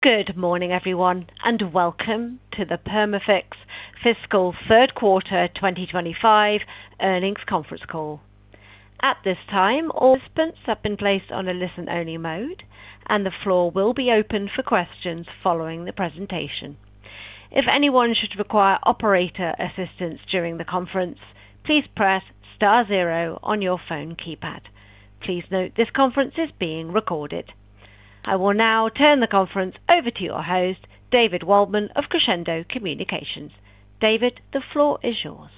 Good morning, everyone, and welcome to the Perma-Fix Environmental Services Fiscal Third Quarter 2025 earnings conference call. At this time, all participants have been placed on a listen-only mode, and the floor will be open for questions following the presentation. If anyone should require operator assistance during the conference, please press star zero on your phone keypad. Please note this conference is being recorded. I will now turn the conference over to your host, David Waldman of Crescendo Communications. David, the floor is yours.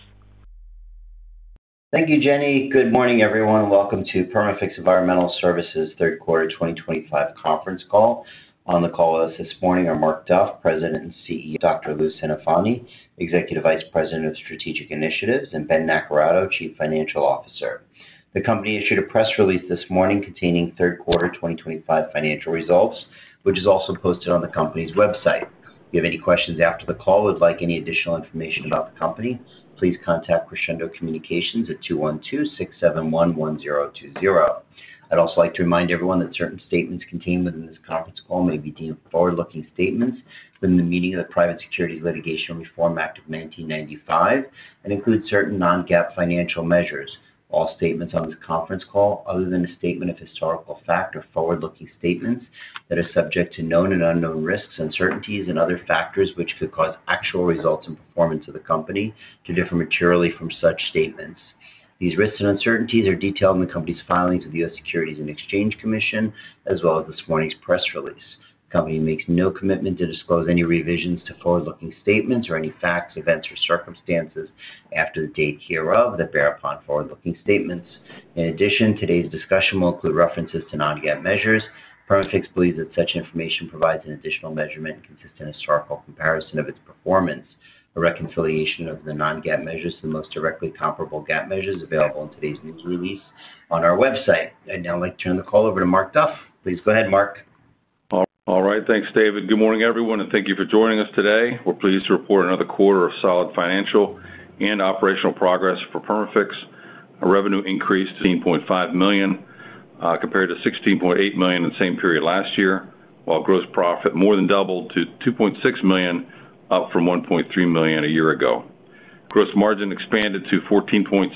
Thank you, Jenny. Good morning, everyone, and welcome to Perma-Fix Environmental Services Third Quarter 2025 conference call. On the call with us this morning are Marc Duff, President and CEO; Dr. Louis Centofanti, Executive Vice President of Strategic Initiatives; and Ben Naccarato, Chief Financial Officer. The company issued a press release this morning containing Third Quarter 2025 financial results, which is also posted on the company's website. If you have any questions after the call or would like any additional information about the company, please contact Crescendo Communications at 212-671-1020. I'd also like to remind everyone that certain statements contained within this conference call may be deemed forward-looking statements within the meaning of the Private Securities Litigation Reform Act of 1995 and include certain non-GAAP financial measures. All statements on this conference call, other than a statement of historical fact, are forward-looking statements that are subject to known and unknown risks, uncertainties, and other factors which could cause actual results and performance of the company to differ materially from such statements. These risks and uncertainties are detailed in the company's filings with the U.S. Securities and Exchange Commission, as well as this morning's press release. The company makes no commitment to disclose any revisions to forward-looking statements or any facts, events, or circumstances after the date hereof that bear upon forward-looking statements. In addition, today's discussion will include references to non-GAAP measures. Perma-Fix believes that such information provides an additional measurement consistent with historical comparison of its performance. A reconciliation of the non-GAAP measures to the most directly comparable GAAP measures is available in today's news release on our website. I'd now like to turn the call over to Marc Duff. Please go ahead, Marc. All right. Thanks, David. Good morning, everyone, and thank you for joining us today. We're pleased to report another quarter of solid financial and operational progress for Perma-Fix. Revenue increased to $16.5 million, compared to $16.8 million in the same period last year, while gross profit more than doubled to $2.6 million, up from $1.3 million a year ago. Gross margin expanded to 14.6%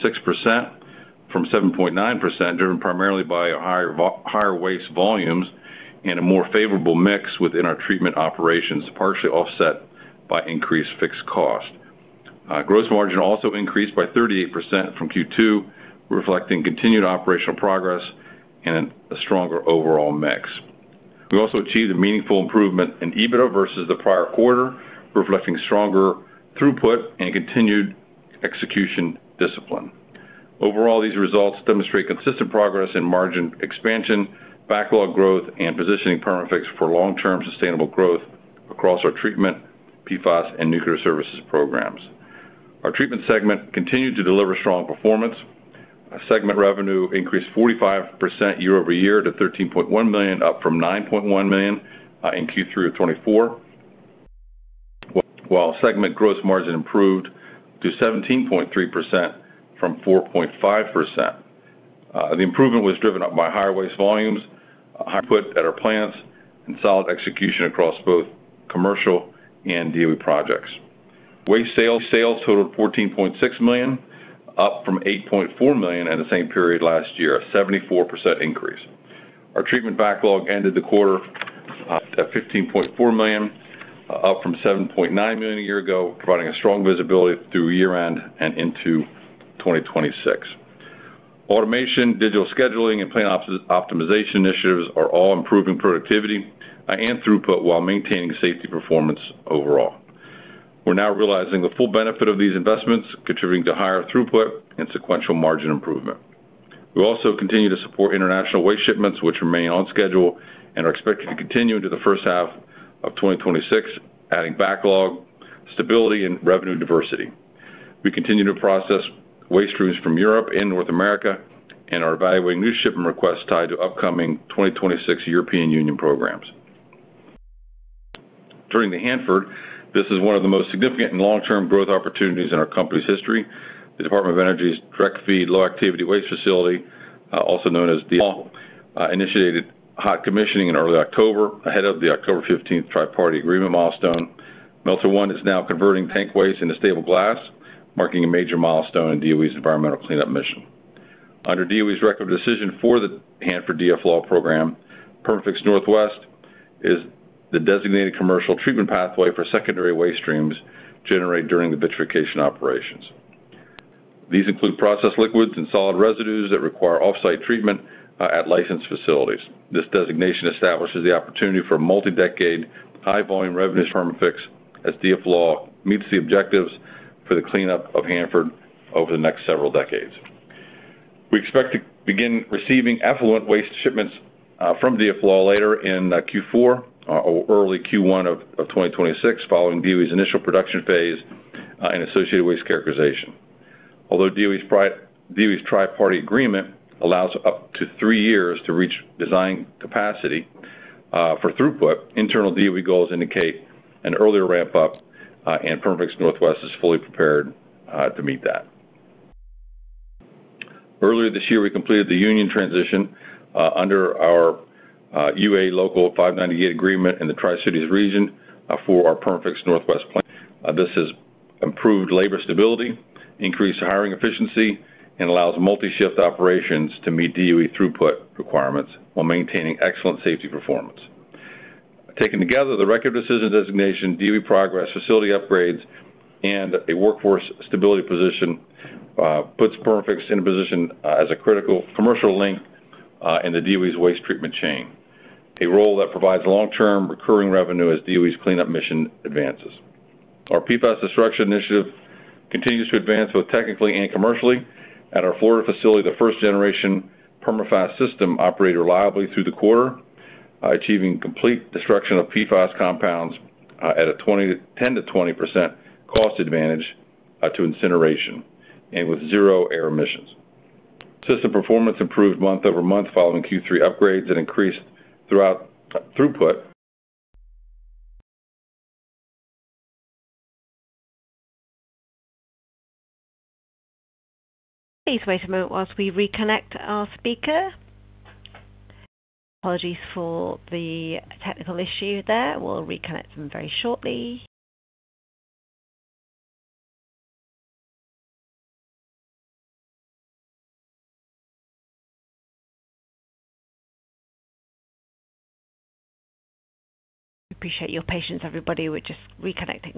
from 7.9%, driven primarily by higher waste volumes and a more favorable mix within our treatment operations, partially offset by increased fixed cost. Gross margin also increased by 38% from Q2, reflecting continued operational progress and a stronger overall mix. We also achieved a meaningful improvement in EBITDA versus the prior quarter, reflecting stronger throughput and continued execution discipline. Overall, these results demonstrate consistent progress in margin expansion, backlog growth, and positioning Perma-Fix for long-term sustainable growth across our treatment, PFAS, and nuclear services programs. Our treatment segment continued to deliver strong performance. Segment revenue increased 45% year over year to $13.1 million, up from $9.1 million in Q3 of 2024, while segment gross margin improved to 17.3% from 4.5%. The improvement was driven up by higher waste volumes, higher throughput at our plants, and solid execution across both commercial and DOE projects. Waste sales totaled $14.6 million, up from $8.4 million in the same period last year, a 74% increase. Our treatment backlog ended the quarter at $15.4 million, up from $7.9 million a year ago, providing a strong visibility through year-end and into 2026. Automation, digital scheduling, and plant optimization initiatives are all improving productivity and throughput while maintaining safety performance overall. We're now realizing the full benefit of these investments, contributing to higher throughput and sequential margin improvement. We also continue to support international waste shipments, which remain on schedule and are expected to continue into the first half of 2026, adding backlog stability and revenue diversity. We continue to process waste streams from Europe and North America and are evaluating new shipment requests tied to upcoming 2026 European Union programs. During the Hanford, this is one of the most significant and long-term growth opportunities in our company's history. The Department of Energy's Direct Feed Low-Activity Waste facility, also known as DFLAW, initiated hot commissioning in early October ahead of the October 15th triparty agreement milestone. Melter I is now converting tank waste into stable glass, marking a major milestone in DOE's environmental cleanup mission. Under DOE's record decision for the Hanford DFLAW program, Perma-Fix Northwest is the designated commercial treatment pathway for secondary waste streams generated during the vitrification operations. These include processed liquids and solid residues that require off-site treatment at licensed facilities. This designation establishes the opportunity for a multi-decade high-volume revenue for Perma-Fix as DFLAW meets the objectives for the cleanup of Hanford over the next several decades. We expect to begin receiving effluent waste shipments from DFLAW later in Q4 or early Q1 of 2026, following DOE's initial production phase and associated waste characterization. Although DOE's triparty agreement allows up to three years to reach design capacity for throughput, internal DOE goals indicate an earlier ramp-up, and Perma-Fix Northwest is fully prepared to meet that. Earlier this year, we completed the union transition under our UA Local 598 agreement in the Tri-Cities region for our Perma-Fix Northwest plant. This has improved labor stability, increased hiring efficiency, and allows multi-shift operations to meet DOE throughput requirements while maintaining excellent safety performance. Taken together, the record decision designation, DOE progress, facility upgrades, and a workforce stability position puts Perma-Fix in a position as a critical commercial link in the DOE's waste treatment chain, a role that provides long-term recurring revenue as DOE's cleanup mission advances. Our PFAS destruction initiative continues to advance both technically and commercially. At our Florida facility, the first-generation Perma-Fast system operated reliably through the quarter, achieving complete destruction of PFAS compounds at a 10-20% cost advantage to incineration and with zero air emissions. System performance improved month over month following Q3 upgrades and increased throughput. Please wait a moment whilst we reconnect our speaker. Apologies for the technical issue there. We'll reconnect them very shortly. We appreciate your patience, everybody. We're just reconnecting.